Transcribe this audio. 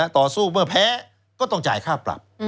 ต่อสู้เมื่อแพ้ก็ต้องจ่ายค่าปรับ